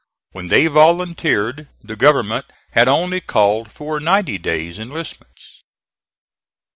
When they volunteered the government had only called for ninety days' enlistments.